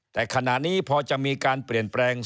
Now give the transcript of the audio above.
แต่ขณะนี้พอจะมีการเปลี่ยนแปลง